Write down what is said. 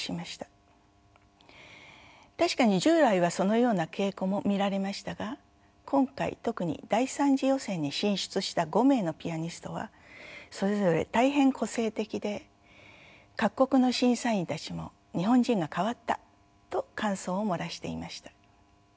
確かに従来はそのような傾向も見られましたが今回特に第３次予選に進出した５名のピアニストはそれぞれ大変個性的で各国の審査員たちも「日本人が変わった」と感想を漏らしていました。